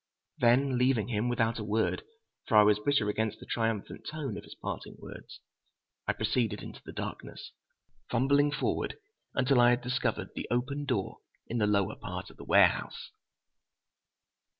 Then, leaving him without a word, for I was bitter against the triumphant tone of his parting words, I proceeded into the darkness, fumbling forward until I had discovered the open door in the lower part of the warehouse.